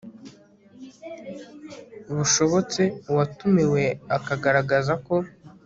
bushobotse uwatumiwe akagaragaza ko